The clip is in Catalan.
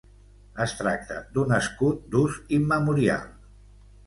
Es tracta d'un escut d'ús immemorial.